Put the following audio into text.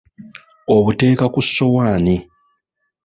Abuteeka ku ssowaani.